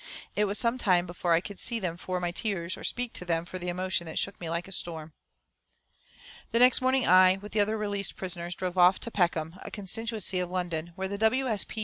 It was some time before I could see them for my tears, or speak to them for the emotion that shook me like a storm. The next morning I, with the other released prisoners, drove off to Peckham, a constituency of London, where the W. S. P.